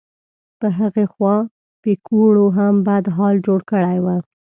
په هغې خوا پیکوړو هم بد حال جوړ کړی و.